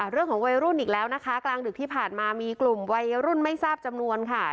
เรื่องของวัยรุ่นอีกแล้วนะคะกลางดึกที่ผ่านมามีกลุ่มวัยรุ่นไม่ทราบจำนวนค่ะ